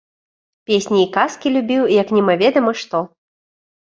Песні і казкі любіў, як немаведама што.